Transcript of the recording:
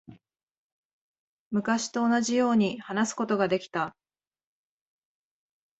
昔と同じように話すことができた。